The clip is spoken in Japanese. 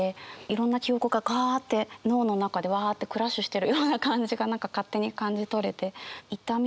いろんな記憶ががあって脳の中でわあってクラッシュしてるような感じが何か勝手に感じ取れて。